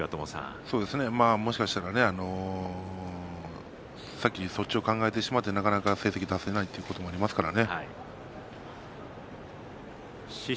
もしかしたらそっちを考えてしまってなかなか成績が上がらないということかもしれませんね。